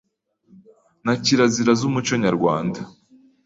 na kirazira z’umuco nyarwanda